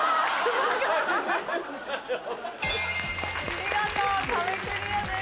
見事壁クリアです。